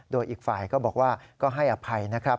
โดยอีกฝ่ายก็บอกว่าก็ให้อภัยนะครับ